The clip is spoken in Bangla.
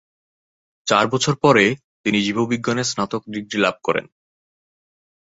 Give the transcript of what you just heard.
চার বছর পরে, তিনি জীববিজ্ঞানে স্নাতক ডিগ্রি লাভ করেন।